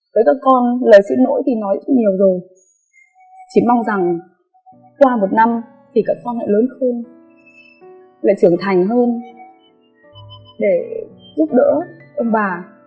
đối với con lời xin lỗi thì nói rất nhiều rồi chỉ mong rằng qua một năm thì con hãy lớn hơn lại trưởng thành hơn để giúp đỡ ông bà